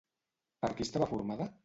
Per qui estava formada?